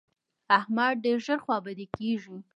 احمد ډېر ژر خوابدی کېږي.